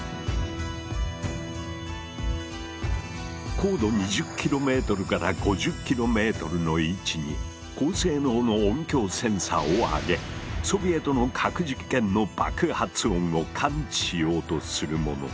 高度２０ｋｍから５０ｋｍの位置に高性能の音響センサーを揚げソビエトの核実験の爆発音を感知しようとするもの。